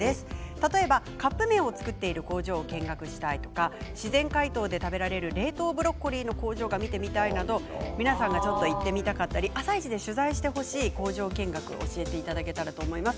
例えば、カップ麺を作っている工場を見学したいとか自然解凍で食べられる冷凍ブロッコリーの工場が見てみたいなど皆さんがちょっと行ってみたかったり「あさイチ」で取材してほしい工場見学を教えていただけたらと思います。